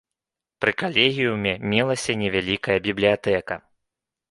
Пры калегіуме мелася невялікая бібліятэка.